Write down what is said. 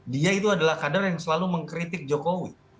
dia itu adalah kader yang selalu mengkritik jokowi